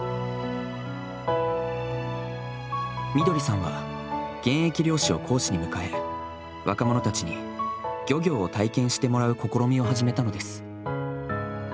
緑さんは現役漁師を講師に迎え若者たちに漁業を体験してもらう試みを始めたのです。